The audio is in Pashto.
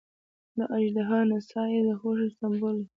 د اژدها نڅا یې د خوښۍ سمبول دی.